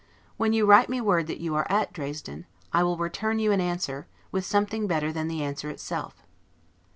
When you write me word that you are at Dresden, I will return you an answer, with something better than the answer itself.